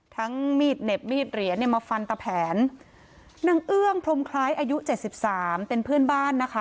มีดเหน็บมีดเหรียญเนี่ยมาฟันตะแผนนางเอื้องพรมคล้ายอายุเจ็ดสิบสามเป็นเพื่อนบ้านนะคะ